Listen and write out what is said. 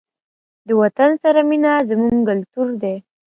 د وطن سره مینه زموږ کلتور دی.